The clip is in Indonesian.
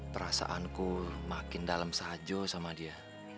perasaanku makin dalam salju sama dia